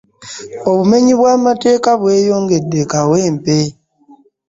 Obumenyi bw'amateka bwe yongedde e kawempe.